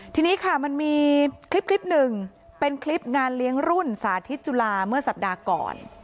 ทีนี้ค่ะมันมีคลิปหนึ่งเป็นคลิปงานเลี้ยงรุ่นสาธิตจุฬาเมื่อสัปดาห์ก่อน